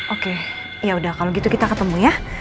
oke ya udah kalau gitu kita ketemu ya